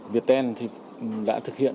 việt tên thì đã thực hiện